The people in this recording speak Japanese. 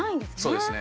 そうですね。